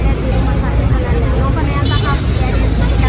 berartiwait sepanjang tim saya